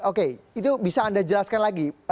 oke itu bisa anda jelaskan lagi